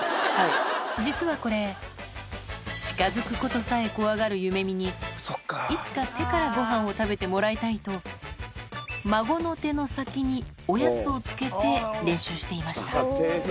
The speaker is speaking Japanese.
実はこれ、近づくことさえ怖がるゆめみに、いつか手からごはんを食べてもらいたいと、孫の手の先におやつをつけて練習していました。